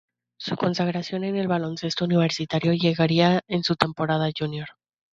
Su consagración en el baloncesto universitario llegaría en su temporada junior.